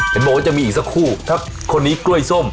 เห็นบอกว่าจะมีอีกสักคู่ถ้าคนนี้กล้วยส้ม